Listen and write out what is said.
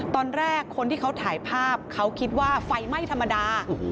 ตอนแรกคนที่เขาถ่ายภาพเขาคิดว่าไฟไหม้ธรรมดา